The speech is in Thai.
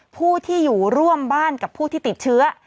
ผู้ที่อยู่ร่วมบ้านกับผู้ที่ติดเชื้อ